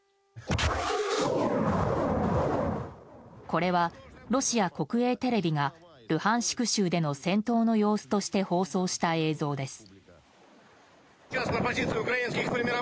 これは、ロシア国営テレビがルハンシク州での戦闘の様子として放送した映像です。